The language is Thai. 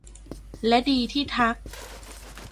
และดีที่ทัก